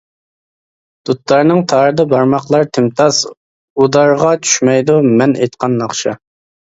دۇتارنىڭ تارىدا بارماقلار تىمتاس، ئۇدارغا چۈشمەيدۇ مەن ئېيتقان ناخشا.